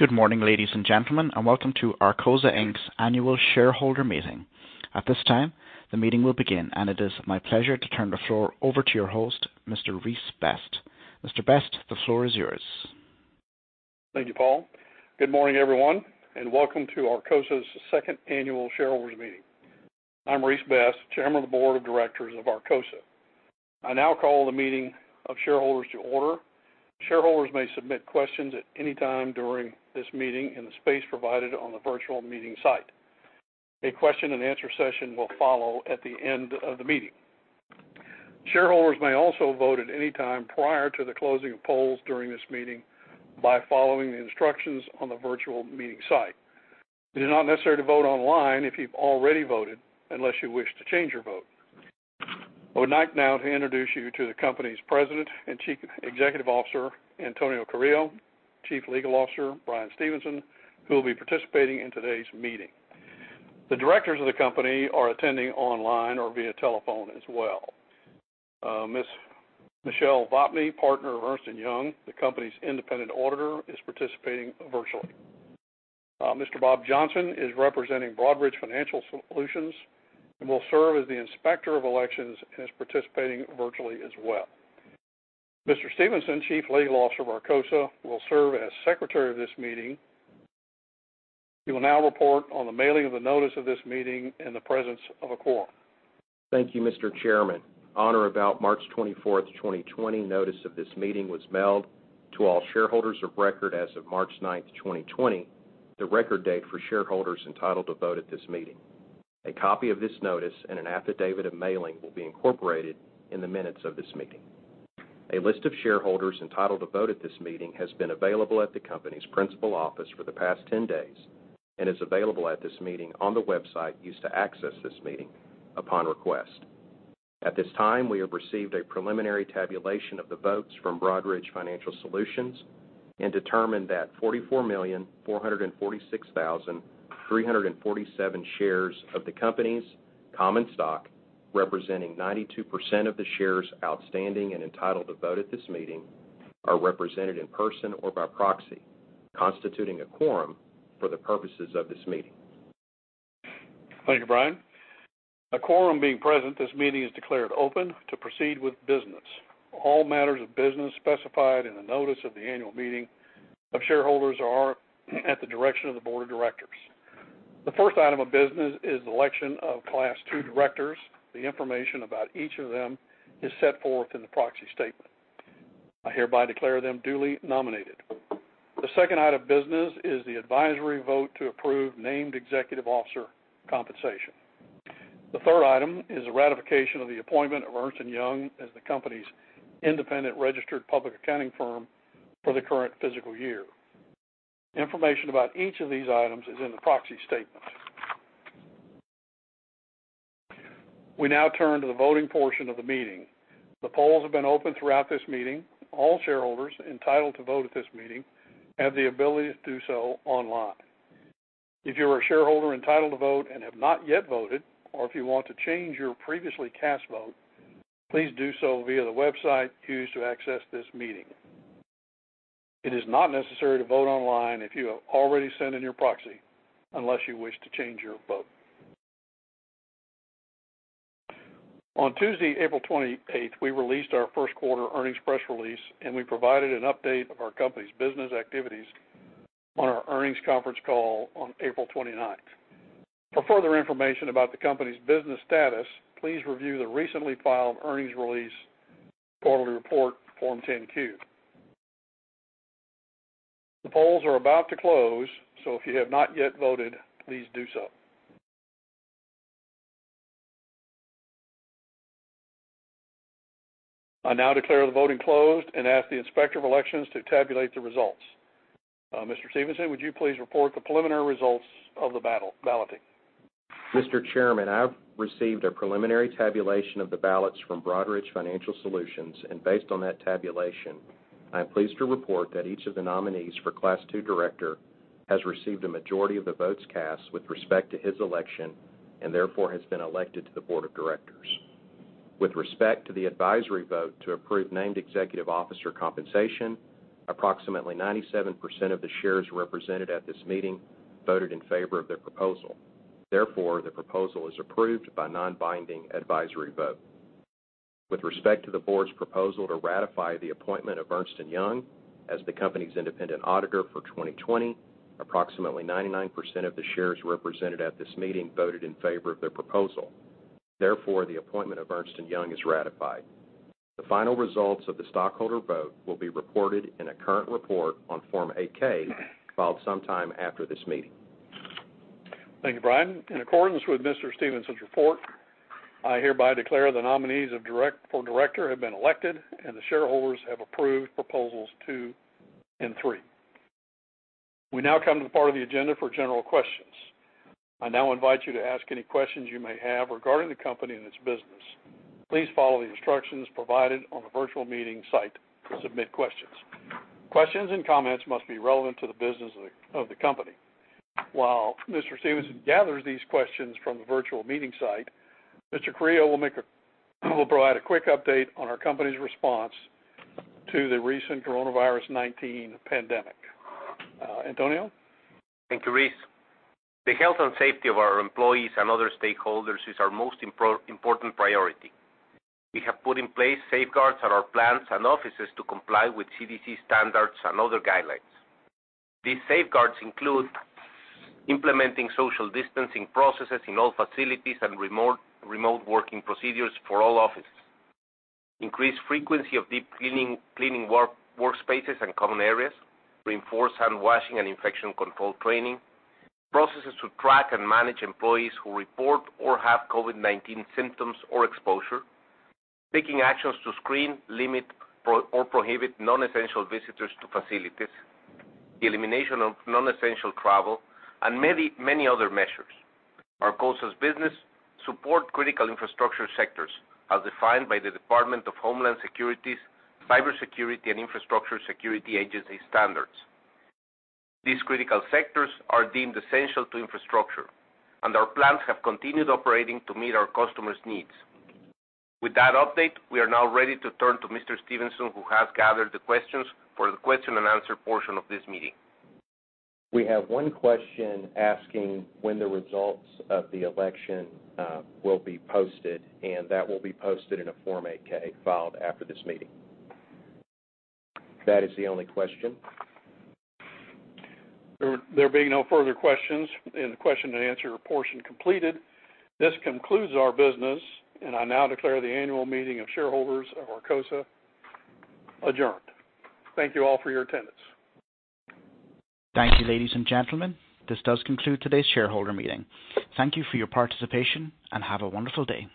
Good morning, ladies and gentlemen, and welcome to Arcosa, Inc.'s annual shareholder meeting. At this time, the meeting will begin, and it is my pleasure to turn the floor over to your host, Mr. Rhys Best. Mr. Best, the floor is yours. Thank you, Paul. Good morning, everyone, and welcome to Arcosa's second annual shareholders' meeting. I'm Rhys Best, Chairman of the Board of Directors of Arcosa. I now call the meeting of shareholders to order. Shareholders may submit questions at any time during this meeting in the space provided on the virtual meeting site. A question-and-answer session will follow at the end of the meeting. Shareholders may also vote at any time prior to the closing of polls during this meeting by following the instructions on the virtual meeting site. It is not necessary to vote online if you've already voted, unless you wish to change your vote. I would like now to introduce you to the company's President and Chief Executive Officer, Antonio Carrillo, Chief Legal Officer, Bryan Stevenson, who will be participating in today's meeting. The directors of the company are attending online or via telephone as well. Ms. Michelle Vopni, Partner of Ernst & Young LLP, the company's independent auditor, is participating virtually. Mr. Bob Johnson is representing Broadridge Financial Solutions and will serve as the Inspector of Elections and is participating virtually as well. Mr. Stevenson, Chief Legal Officer of Arcosa, Inc., will serve as Secretary of this meeting. He will now report on the mailing of the notice of this meeting and the presence of a quorum. Thank you, Mr. Chairman. On or about March 24th, 2020, notice of this meeting was mailed to all shareholders of record as of March 9th, 2020, the record date for shareholders entitled to vote at this meeting. A copy of this notice and an affidavit of mailing will be incorporated in the minutes of this meeting. A list of shareholders entitled to vote at this meeting has been available at the company's principal office for the past 10 days and is available at this meeting on the website used to access this meeting upon request. At this time, we have received a preliminary tabulation of the votes from Broadridge Financial Solutions and determined that 44,446,347 shares of the company's common stock, representing 92% of the shares outstanding and entitled to vote at this meeting, are represented in person or by proxy, constituting a quorum for the purposes of this meeting. Thank you, Bryan. A quorum being present, this meeting is declared open to proceed with business. All matters of business specified in the notice of the annual meeting of shareholders are at the direction of the board of directors. The first item of business is the election of Class II directors. The information about each of them is set forth in the proxy statement. I hereby declare them duly nominated. The second item of business is the advisory vote to approve named executive officer compensation. The third item is a ratification of the appointment of Ernst & Young as the company's independent registered public accounting firm for the current fiscal year. Information about each of these items is in the proxy statement. We now turn to the voting portion of the meeting. The polls have been open throughout this meeting. All shareholders entitled to vote at this meeting have the ability to do so online. If you are a shareholder entitled to vote and have not yet voted, or if you want to change your previously cast vote, please do so via the website used to access this meeting. It is not necessary to vote online if you have already sent in your proxy, unless you wish to change your vote. On Tuesday, April 28th, we released our first quarter earnings press release, and we provided an update of our company's business activities on our earnings conference call on April 29th. For further information about the company's business status, please review the recently filed earnings release quarterly report Form 10-Q. The polls are about to close, so if you have not yet voted, please do so. I now declare the voting closed and ask the Inspector of Elections to tabulate the results. Mr. Stevenson, would you please report the preliminary results of the balloting? Mr. Chairman, I've received a preliminary tabulation of the ballots from Broadridge Financial Solutions, and based on that tabulation, I am pleased to report that each of the nominees for Class II director has received a majority of the votes cast with respect to his election and therefore has been elected to the board of directors. With respect to the advisory vote to approve named executive officer compensation, approximately 97% of the shares represented at this meeting voted in favor of the proposal. Therefore, the proposal is approved by non-binding advisory vote. With respect to the board's proposal to ratify the appointment of Ernst & Young as the company's independent auditor for 2020, approximately 99% of the shares represented at this meeting voted in favor of the proposal. Therefore, the appointment of Ernst & Young is ratified. The final results of the stockholder vote will be reported in a current report on Form 8-K filed sometime after this meeting. Thank you, Bryan. In accordance with Mr. Stevenson's report, I hereby declare the nominees for director have been elected and the shareholders have approved Proposals two and three. We now come to the part of the agenda for general questions. I now invite you to ask any questions you may have regarding the company and its business. Please follow the instructions provided on the virtual meeting site to submit questions. Questions and comments must be relevant to the business of the company. While Mr. Stevenson gathers these questions from the virtual meeting site, Mr. Carrillo will provide a quick update on our company's response to the recent COVID-19 pandemic. Antonio? Thank you, Rhys. The health and safety of our employees and other stakeholders is our most important priority. We have put in place safeguards at our plants and offices to comply with CDC standards and other guidelines. These safeguards include implementing social distancing processes in all facilities and remote working procedures for all offices, increased frequency of deep cleaning workspaces and common areas, reinforced hand washing and infection control training, processes to track and manage employees who report or have COVID-19 symptoms or exposure, taking actions to screen, limit, or prohibit non-essential visitors to facilities, the elimination of non-essential travel, and many other measures. Arcosa's business support critical infrastructure sectors as defined by the Department of Homeland Security's Cybersecurity and Infrastructure Security Agency standards. These critical sectors are deemed essential to infrastructure, and our plants have continued operating to meet our customers' needs. With that update, we are now ready to turn to Mr. Stevenson, who has gathered the questions for the question-and-answer portion of this meeting. We have one question asking when the results of the election will be posted, and that will be posted in a Form 8-K filed after this meeting. That is the only question. There being no further questions and the question-and-answer portion completed, this concludes our business, and I now declare the annual meeting of shareholders of Arcosa adjourned. Thank you all for your attendance. Thank you, ladies and gentlemen. This does conclude today's shareholder meeting. Thank you for your participation, and have a wonderful day.